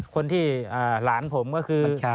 คนที่หลานผมก็คือ